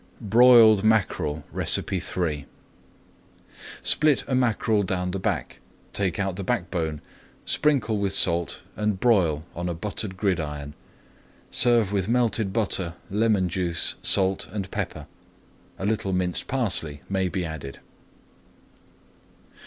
BROILED MACKEREL III Split a mackerel down the back, take out the backbone, sprinkle with salt, and broil on a buttered gridiron. Serve with melted butter, lemon juice, salt, and pepper. A little minced parsley may be added.